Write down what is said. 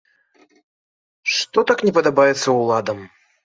Што так не падабаецца ўладам?